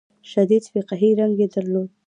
شدید فقهي رنګ یې درلود.